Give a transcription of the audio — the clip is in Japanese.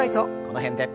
この辺で。